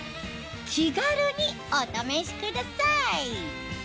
気軽にお試しください